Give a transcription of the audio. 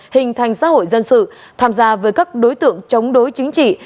hình thành xã hội dân sự tham gia với các đối tượng chống đối chính trị